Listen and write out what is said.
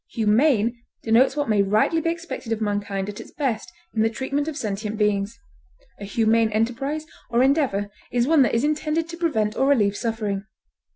Humane denotes what may rightly be expected of mankind at its best in the treatment of sentient beings; a humane enterprise or endeavor is one that is intended to prevent or relieve suffering.